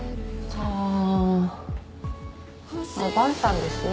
あっ伴さんですね。